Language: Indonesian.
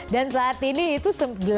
dan saat ini itu delapan ratus lima